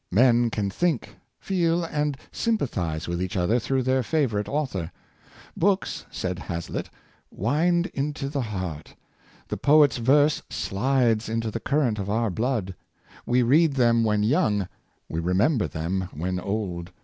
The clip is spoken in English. Men can think, feel and sympathize with each other through their favorite author. ''• Books," said HazHtt, " wind into the heart; the poet's verse slides into the current of our blood. We read them when young, we remember them when old.